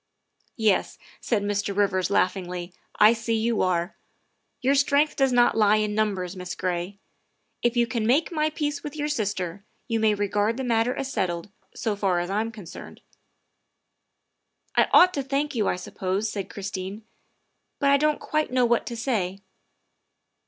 " Yes," said Mr. Rivers, laughingly, " I see you are. Your strength does not lie in numbers, Miss Gray. If you can make my peace with your sister, you may regard the matter as settled, so far as I am concerned. ''" I ought to thank you, I suppose," said Christine, '' but I don 't quite know what to say.